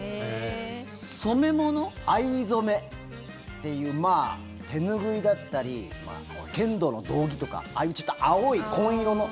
藍染めっていう手拭いだったり剣道の道着とかああいうちょっと青い紺色の。